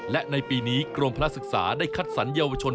และในปีนี้กรมพระศึกษาได้คัดสรรเยาวชน